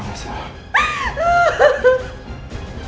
ngga mau ditangkap